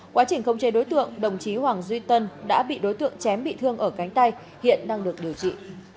quá trình khống chế đối tượng đồng chí hoàng duy tân đã bị đối tượng chém bị thương ở cánh tay hiện đang được điều trị